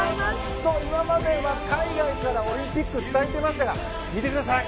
と、今までは海外からオリンピックを伝えていましたが見てください。